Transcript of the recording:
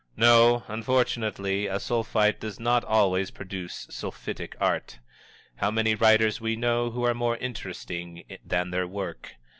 No, unfortunately a Sulphite does not always produce sulphitic art. How many writers we know who are more interesting than their work!